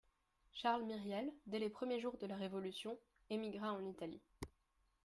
Charles Myriel, dès les premiers jours de la révolution, émigra en Italie